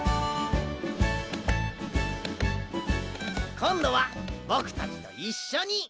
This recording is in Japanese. こんどはぼくたちといっしょに！